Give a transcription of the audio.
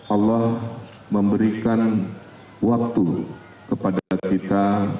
allah memberikan waktu kepada kita